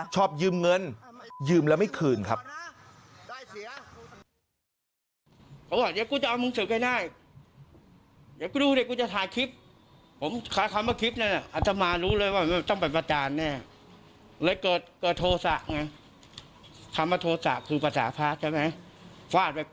ชอบยืมเงินยืมแล้วไม่คืนครับ